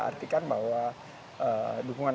artikan bahwa dukungan